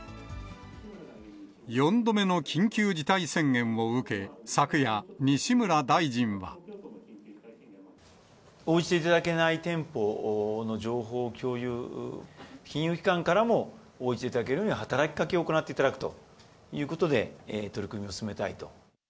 ４度目の緊急事態宣言を受け、昨夜、西村大臣は。応じていただけない店舗の情報を共有、金融機関からも応じていただけるように働きかけを行っていただくということで、取り組みを進めたいと。